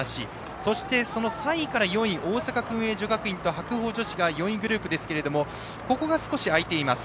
そして、３位から４位大阪薫英女学院と白鵬女子が４位グループですがここが少し開いています。